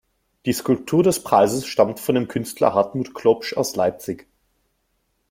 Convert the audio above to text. Die Skulptur des Preises stammt von dem Künstler Hartmut Klopsch aus Leipzig.